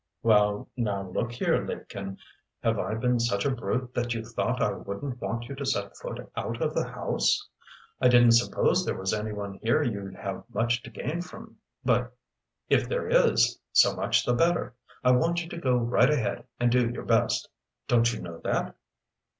"Well now look here, liebchen, have I been such a brute that you thought I wouldn't want you to set foot out of the house? I didn't suppose there was anyone here you'd have much to gain from, but if there is, so much the better. I want you to go right ahead and do your best don't you know that?"